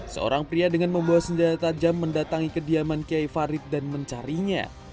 seorang pria dengan membawa senjata tajam mendatangi kediaman kiai farid dan mencarinya